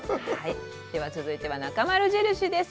では、続いてはなかまる印です。